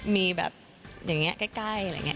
มีแบบอย่างนี้ใกล้อะไรอย่างนี้